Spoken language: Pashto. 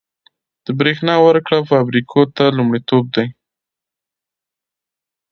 د بریښنا ورکړه فابریکو ته لومړیتوب دی